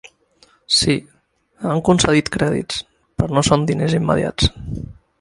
Sí, han concedit crèdits, però no són diners immediats.